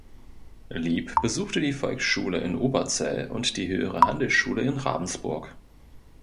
Lieb besuchte die Volksschule in Oberzell und die Höhere Handelsschule in Ravensburg.